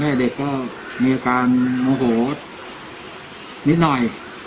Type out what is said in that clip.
เด็กก็มีอาการโมโหนิดหน่อย